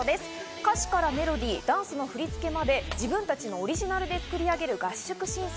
歌詞からメロディー、ダンスの振り付けまで、自分たちのオリジナルで作り上げる合宿審査。